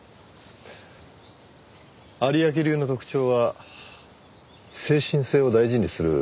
有明流の特徴は精神性を大事にする点だそうですね。